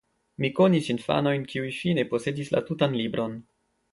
Mi konis infanojn kiuj fine posedis la tutan libron.